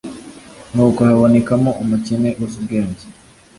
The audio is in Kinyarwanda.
Nuko habonekamo umukene uzi ubwenge